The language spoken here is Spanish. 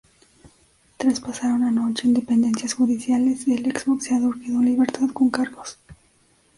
Tras pasar una noche en dependencias judiciales el ex-boxeador quedó en libertad con cargos.